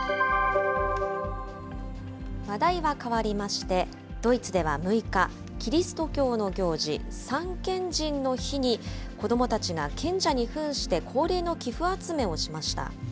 話題は変わりまして、ドイツでは６日、キリスト教の行事、三賢人の日に、子どもたちが賢者にふんして恒例の寄付集めをしました。